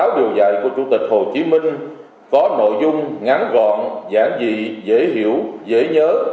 sáu điều dạy của chủ tịch hồ chí minh có nội dung ngắn gọn giảng dị dễ hiểu dễ nhớ